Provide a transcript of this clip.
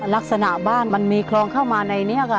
ลักษณะบ้านมันมีคลองเข้ามาในนี้ค่ะ